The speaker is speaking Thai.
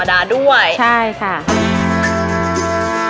พี่ดาขายดอกบัวมาตั้งแต่อายุ๑๐กว่าขวบ